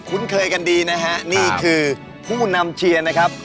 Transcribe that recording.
เคยกันดีนะฮะนี่คือผู้นำเชียร์นะครับ